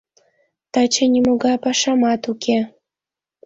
— Таче нимогай пашамат уке.